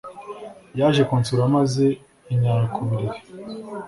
Yaje kunsura maze anyara ku buriri